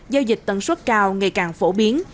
giao dịch tầng suất cao ngày càng phổ biến